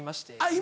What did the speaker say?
今？